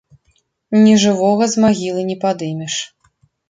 Нежывога з магілы не падымеш.